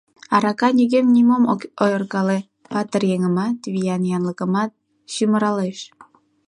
Арака нигӧм-нимом ок ойыркале: патыр еҥымат, виян янлыкымат сӱмыралеш...